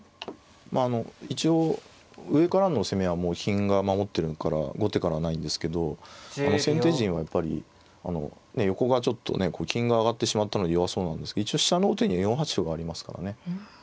まああの一応上からの攻めは金が守ってるから後手からはないんですけど先手陣はやっぱり横がちょっとね金が上がってしまったので弱そうなんですけど一応飛車の王手には４八歩がありますからね。